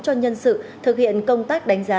cho nhân sự thực hiện công tác đánh giá